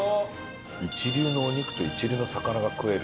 一流のお肉と一流の魚が食える。